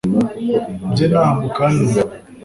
bye naha mukanya ubwo